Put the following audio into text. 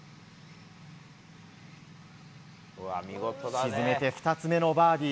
沈めて、２つ目のバーディー。